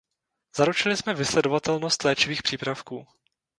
Zaručili jsme vysledovatelnost léčivých přípravků.